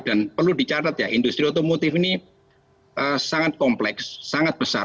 dan perlu dicatat ya industri otomotif ini sangat kompleks sangat besar